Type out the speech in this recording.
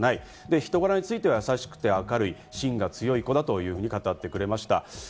人柄については、優しくて明るい、芯が強い子だと言っていました。